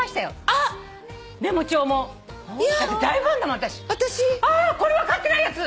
あっこれは買ってないやつ！